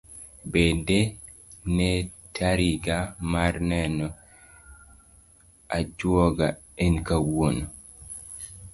Bende ne tariga mar neno ajuoga en kawuono?